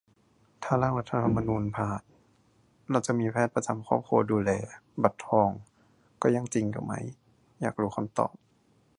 ถ้า ร่างรัฐธรรมนูญ ผ่าน เราจะมีแพทย์ประจำครอบครัวดูแล บัตรทอง ก็ยังอยู่จริงไหม อยากรู้คำตอบ